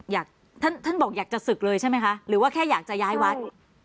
ท่านท่านบอกอยากจะศึกเลยใช่ไหมคะหรือว่าแค่อยากจะย้ายวัด